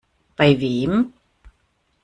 Bei wem?